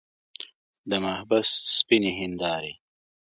د محبس سپینې هندارې.